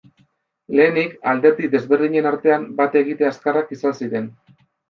Lehenik, alderdi desberdinen artean bat egite azkarrak izan ziren.